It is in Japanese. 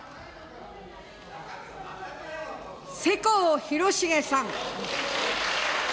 世耕弘成さん。